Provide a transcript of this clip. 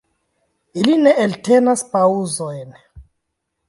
Ili ne eltenas paŭzojn.